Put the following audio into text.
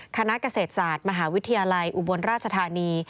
คณะเกษตรศาสตร์มหาวิทยาลัยอุบลราชธานี